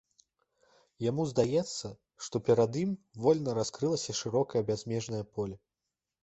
Яму здаецца, што перад ім вольна раскрылася шырокае бязмежнае поле.